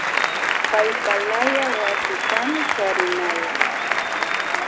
Paypalaya wasitami charinayan